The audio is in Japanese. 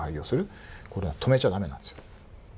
これは止めちゃだめなんですよ。